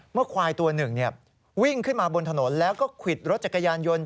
ควายตัวหนึ่งวิ่งขึ้นมาบนถนนแล้วก็ควิดรถจักรยานยนต์